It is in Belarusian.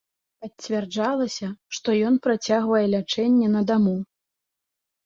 Пацвярджалася, што ён працягвае лячэнне на даму.